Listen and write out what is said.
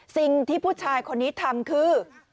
สิ่งที่ผู้ชายคนนี้ทำคือ